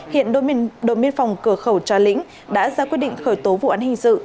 hiện đồn biên phòng cửa khẩu trà lĩnh đã ra quyết định khởi tố vụ án hình sự